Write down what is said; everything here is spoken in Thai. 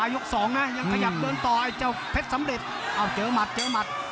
ยกสองนะยังขยับเดินต่อไอ้เจ้าเพชรสำเร็จอ้าวเจอหมัดเจอหมัด